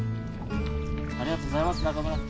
ありがとうございます中村さん。